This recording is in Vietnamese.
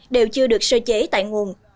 đều chưa được sơ chế tại nguồn